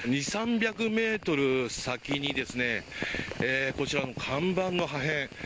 ２００３００ｍ先にこちらの看板の破片